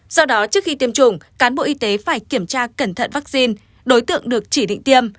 do đó trước khi tiêm chủng cán bộ y tế phải kiểm tra cẩn thận vaccine đối tượng được chỉ định tiêm